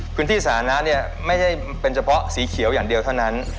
พื้นที่สาธารณะเนี่ยไม่ใช่เป็นเฉพาะสีเขียวอย่างเดียวเท่านั้น